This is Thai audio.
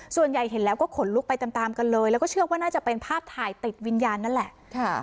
ส่วนใหญ่เห็นแล้วก็ขนลุกไปตามตามกันเลยแล้วก็เชื่อว่าน่าจะเป็นภาพถ่ายติดวิญญาณนั่นแหละ